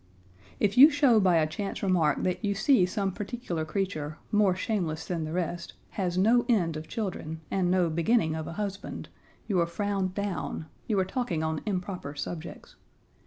If you show by a chance remark that you see some particular creature, more shameless than the rest, has no end of children, and no beginning of a husband, you are frowned down; you are talking on improper subjects.